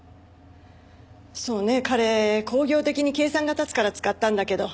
そうね彼興行的に計算が立つから使ったんだけど。